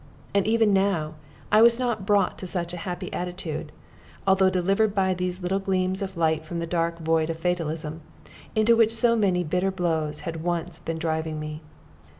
And even now I was not brought to such a happy attitude, although delivered by these little gleams of light from the dark void of fatalism, into which so many bitter blows had once been driving me.